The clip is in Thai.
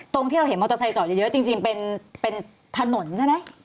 ตรงที่เราเห็นมอเตอร์ไซค์จอดเยอะจริงเป็นถนนใช่ไหม